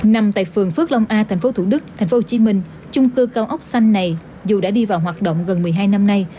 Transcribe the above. nằm tại phường phước long a tp thủ đức tp hcm chung cư cao ốc xanh này dù đã đi vào hoạt động gần một mươi hai năm nay